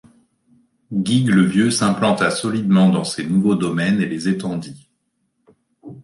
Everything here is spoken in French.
Guigues le Vieux s'implanta solidement dans ses nouveaux domaines et les étendit.